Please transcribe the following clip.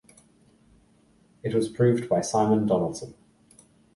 It was proved by Simon Donaldson.